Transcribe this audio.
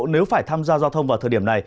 nếu phải tham gia giao thông vào thời điểm này